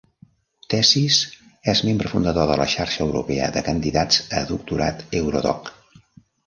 Thesis és membre fundador de la xarxa europea de candidats a doctorat Eurodoc.